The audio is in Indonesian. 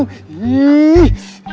situasinya serem banget